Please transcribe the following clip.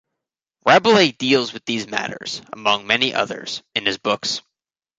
Rabelais deals with these matters, among many others, in his books.